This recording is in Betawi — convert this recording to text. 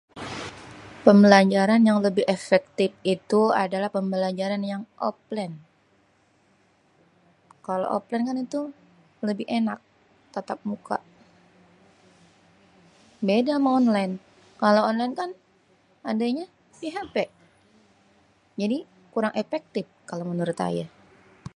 Pembelajaran yang lebih efektip itu adalah pelajaran yang oplén. Kalo oplén kan itu lebih enak, tatap muka. Beda ama onlén. Kalo onlén kan adanya di hapé. Jadi kurang èpektip kalo menurut ayé.